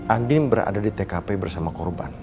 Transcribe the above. andin berada di tkp bersama korban